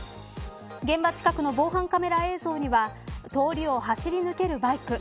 現場近くの防犯カメラ映像には通りを走り抜けるバイク。